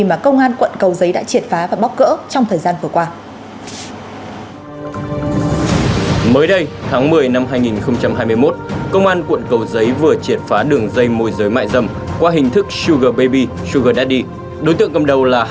mà công an quận cầu giấy đã triệt phá và bóp cỡ trong thời gian vừa qua